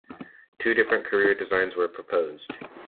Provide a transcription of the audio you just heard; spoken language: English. Two different carrier designs were proposed.